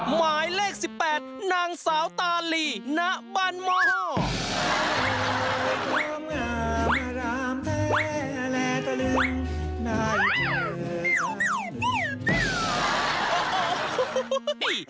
หมายเลขสิบแปดนางสาวตาลีณบรรม